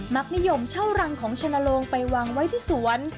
มักนิยมเช่ารังของชนลงไปวางไว้ที่สวน